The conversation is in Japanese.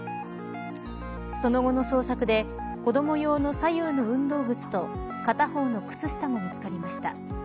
その後の捜索で子ども用の左右の運動靴と片方の靴下も見つかりました。